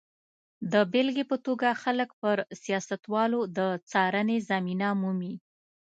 د بېلګې په توګه خلک پر سیاستوالو د څارنې زمینه مومي.